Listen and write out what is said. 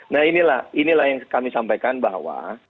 nah inilah inilah yang kami sampaikan bahwa